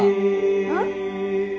うん？